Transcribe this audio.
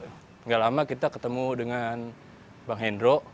sehingga seminggu off nggak lama kita ketemu dengan bang hendro